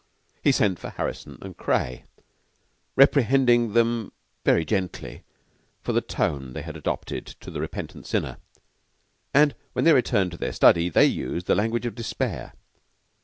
He sent for Harrison and Craye, reprehending them very gently for the tone they had adopted to a repentant sinner, and when they returned to their study, they used the language of despair.